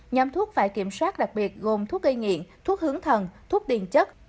nhóm thuốc phải kiểm soát đặc biệt gồm thuốc gây nghiện thuốc hướng thần thuốc điền chất